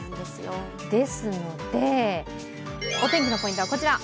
ですので、お天気のポイントはこちら。